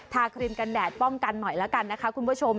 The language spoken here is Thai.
ครีมกันแดดป้องกันหน่อยแล้วกันนะคะคุณผู้ชม